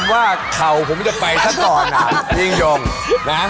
ผมว่าเขาผมจะไปซะก่อนนะพี่ยิงยงนะ